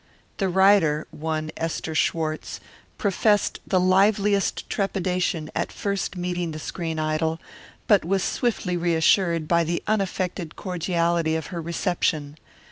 The writer, one Esther Schwarz, professed the liveliest trepidation at first meeting the screen idol, but was swiftly reassured by the unaffected cordiality of her reception.